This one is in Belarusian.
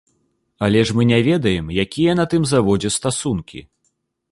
Але ж мы не ведаем, якія на тым заводзе стасункі.